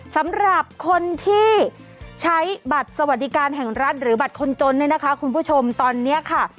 สำหรับคนที่ใช้บัตรสวัสดิการแห่งรัฐหรือบัตรคนจนเนี่ยนะคะคุณผู้ชมตอนนี้ค่ะ